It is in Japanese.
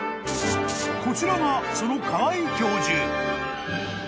［こちらがその河合教授］